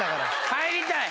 帰りたい。